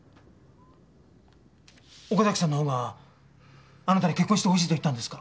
岡崎さんのほうがあなたに結婚してほしいと言ったんですか？